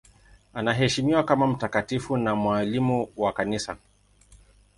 Anaheshimiwa kama mtakatifu na mwalimu wa Kanisa.